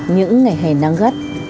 những ngày hè nắng gắt